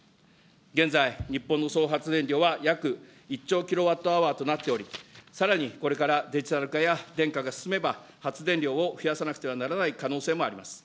現在、日本の総発電量は約１兆キロワットアワーとなっており、さらにこれからデジタル化や電化が進めば発電量を増やさなくてはならない可能性もあります。